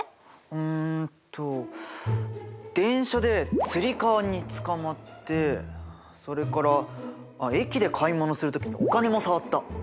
うんと電車でつり革につかまってそれから駅で買い物する時にお金も触った。